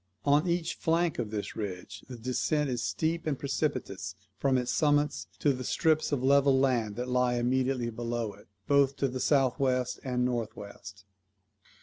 On each flank of this ridge the descent is steep and precipitous from its summits to the strips of level land that lie immediately below it, both to the south west and north west.